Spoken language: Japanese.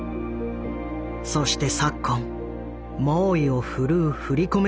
そして昨今猛威を振るう振り込め